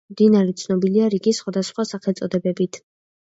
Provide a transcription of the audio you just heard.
მდინარე ცნობილია რიგი სხვადასხვა სახელწოდებებით.